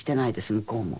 向こうも。